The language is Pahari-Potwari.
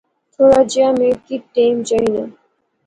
تھوڑا جہیا می کی ٹیم چائینا